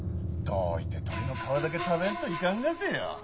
どういて鳥の皮だけ食べんといかんがぜよ。